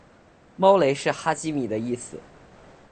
猫雷是哈基米的意思